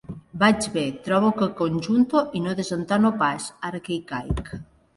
Vaig bé, trobo que conjunto i no desentono pas, ara que hi caic.